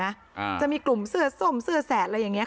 อ่าจะมีกลุ่มเสื้อส้มเสื้อแสดอะไรอย่างเงี้